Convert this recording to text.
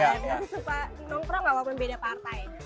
masih suka nongkrong nggak mau membeda partai